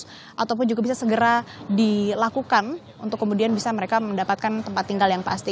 harus ataupun juga bisa segera dilakukan untuk kemudian bisa mereka mendapatkan tempat tinggal yang pasti